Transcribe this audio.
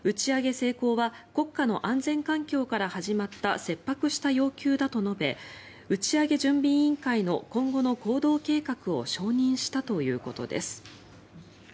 成功は国家の安全環境から始まった切迫した要求だと述べ打ち上げ準備委員会の今後の行動計画を承認したということです。